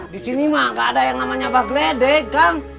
di sini mah gak ada yang namanya bak gelede kang